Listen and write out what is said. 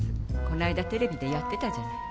こないだテレビでやってたじゃない。